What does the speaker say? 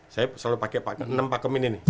saya selalu pakai enam pakam ini nih